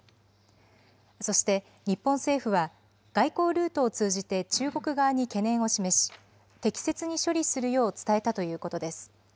そして、日本政府は外交ルートを通じて中国側に懸念を示し、適切に処理するよう伝えたということです。